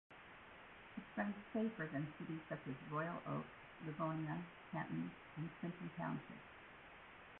It ranked safer than cities such as Royal Oak, Livonia, Canton and Clinton Township.